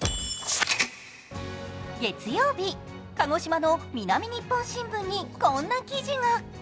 月曜日、鹿児島の「南日本新聞」にこんな記事が。